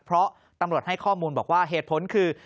เพราะตำรวจให้ข้อมูลบอกว่าเหตุผลคือ